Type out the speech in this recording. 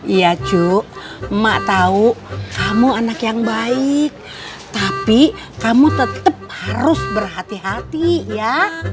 iya cuk emak tahu kamu anak yang baik tapi kamu tetap harus berhati hati ya